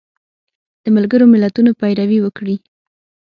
د ملګرو ملتونو پیروي وکړي